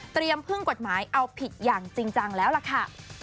พึ่งกฎหมายเอาผิดอย่างจริงจังแล้วล่ะค่ะ